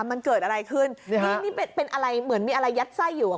มันเกิดอะไรขึ้นนี่นี่เป็นอะไรเหมือนมีอะไรยัดไส้อยู่อ่ะ